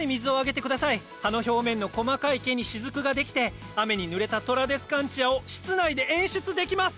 葉の表面の細かい毛に滴が出来て雨にぬれたトラデスカンチアを室内で演出できます！